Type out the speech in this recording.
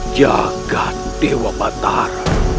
jaga dewa batar